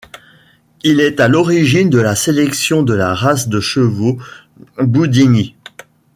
Il est à l'origine de la sélection de la race de chevaux Boudienny.